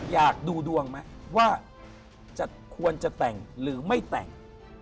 อยากดูดวงไหมว่าจะควรจะแต่งหรือไม่แต่ง